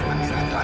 mau banget ya